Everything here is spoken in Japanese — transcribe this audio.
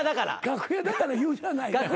楽屋だから言うじゃない。